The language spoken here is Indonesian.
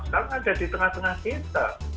sekarang ada di tengah tengah kita